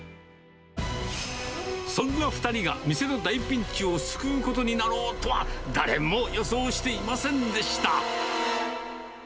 そんな２人が店の大ピンチを救うことになろうとは、誰も予想していませんでした。